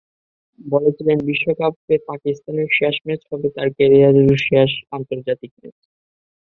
বলেছিলেন বিশ্বকাপে পাকিস্তানের শেষ ম্যাচ হবে তাঁর ক্যারিয়ারেরও শেষ আন্তর্জাতিক ম্যাচ।